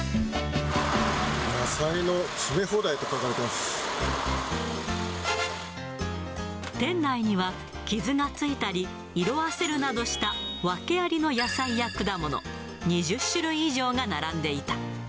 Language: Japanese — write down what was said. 野菜の詰め放題と書かれてい店内には、傷がついたり色あせるなどした訳ありの野菜や果物、２０種類以上が並んでいた。